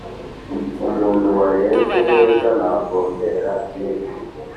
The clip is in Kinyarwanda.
Umuntu warezwe neza ntagombera byinshi,